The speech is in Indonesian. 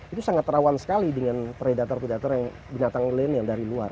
itu sangat rawan sekali dengan predator predator yang binatang milenial dari luar